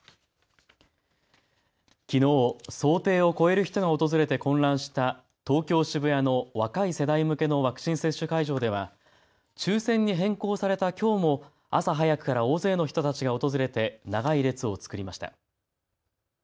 きのう、想定を超える人が訪れて混乱した東京渋谷の若い世代向けのワクチン接種会場では抽せんに変更されたきょうも朝早くから大勢の人たちが訪れて長い列を作りました。